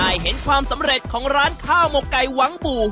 เห็นความสำเร็จของร้านข้าวหมกไก่หวังบู่